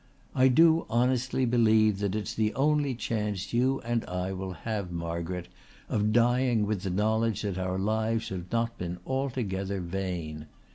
"I do honestly believe that it's the only chance you and I will have, Margaret, of dying with the knowledge that our lives have not been altogether vain.